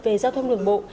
về giao thông đường bộ